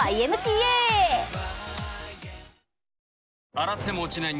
洗っても落ちない